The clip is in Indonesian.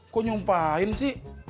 kok nyumpahin sih